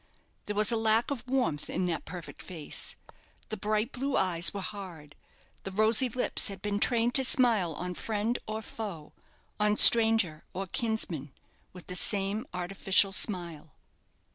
There was a lack of warmth in that perfect face. The bright blue eyes were hard; the rosy lips had been trained to smile on friend or foe, on stranger or kinsman, with the same artificial smile.